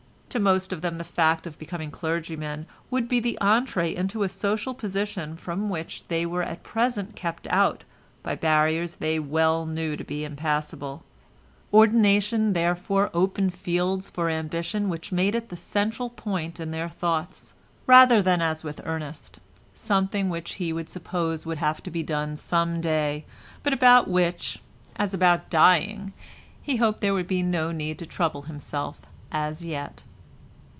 To most of them the fact of becoming clergymen would be the entrée into a social position from which they were at present kept out by barriers they well knew to be impassable; ordination, therefore, opened fields for ambition which made it the central point in their thoughts, rather than as with Ernest, something which he supposed would have to be done some day, but about which, as about dying, he hoped there was no need to trouble himself as yet.